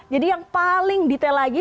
jadi yang paling detail lagi